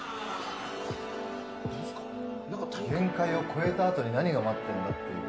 限界を超えたあとに何が待っているんだという。